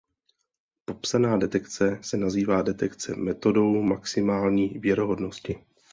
Popsaná detekce se nazývá detekce metodou maximální věrohodnosti.